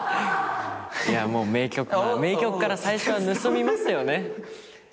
いやもう名曲名曲から最初は盗みますよね。